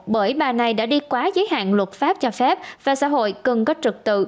bởi bà này đã đi quá giới hạn luật pháp cho phép và xã hội cần có trực tự